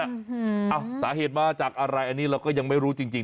อ่ะสาเหตุมาจากอะไรเราก็ยังไม่รู้จริง